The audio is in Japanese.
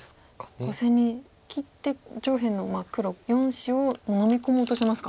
５線に切って上辺の黒４子をもうのみ込もうとしてますか。